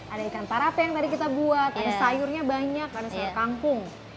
ada ikan parape yang tadi kita buat ada sayurnya banyak ada sayur kampung